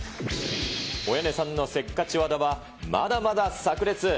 およねさんのせっかち技はまだまださく裂。